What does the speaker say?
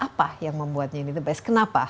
apa yang membuatnya ini the best kenapa